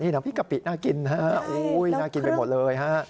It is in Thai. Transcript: นี่นะพี่กะปิน่ากินฮะโอ้ยน่ากินไปหมดเลยฮะ